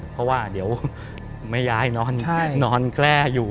เพราะว่าเดี๋ยวแม่ยายนอนแกล้อยู่